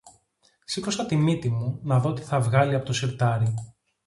Σήκωσα τη μύτη μου να δω τι θα βγάλει από το συρτάρι